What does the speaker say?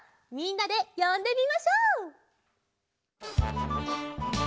みんなでよんでみましょう！